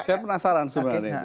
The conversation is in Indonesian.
saya penasaran sebenarnya